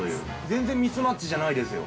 全然ミスマッチじゃないですよ。